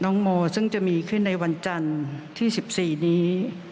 น้องโมซึ่งจะมีขึ้นในวันจันทร์ที่๑๔นี้